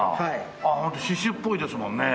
あっホント刺繍っぽいですもんね。